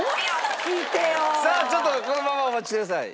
さあちょっとこのままお待ちください。